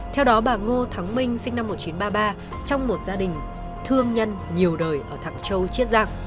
theo đó bà ngô thắng minh sinh năm một nghìn chín trăm ba mươi ba trong một gia đình thương nhân nhiều đời ở thạc châu chiết giang